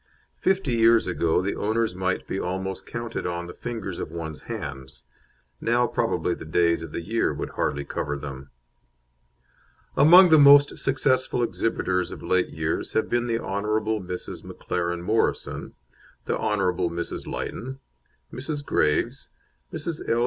Fifty years ago the owners might be almost counted on the fingers of one's hands; now probably the days of the year would hardly cover them. Among the most successful exhibitors of late years have been the Hon. Mrs. McLaren Morrison, the Hon. Mrs. Lytton, Mrs. Graves, Mrs. L.